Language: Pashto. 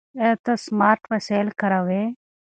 ایا ته سمارټ وسایل کاروې؟